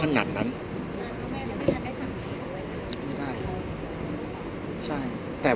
พี่อัดมาสองวันไม่มีใครรู้หรอก